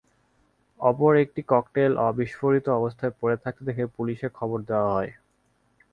অপর একটি ককটেল অবিস্ফোরিত অবস্থায় পড়ে থাকতে দেখে পুলিশে খবর দেওয়া হয়।